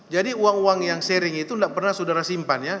jadi uang uang yang sharing itu tidak pernah sudara simpan ya